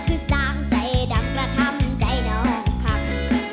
ขือสร้างใจดังกระทำใจดองคำ